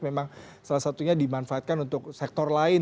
memang salah satunya dimanfaatkan untuk sektor lain